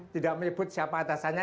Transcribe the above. tidak menyebut siapa atasannya